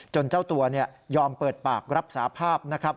เจ้าตัวยอมเปิดปากรับสาภาพนะครับ